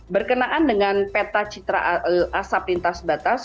berkenaan dengan peta citra asap lintas batas